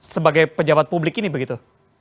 sebagai pejabat publik ini begitu